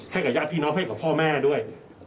ให้กับญาติพี่น้องให้กับพ่อแม่ด้วย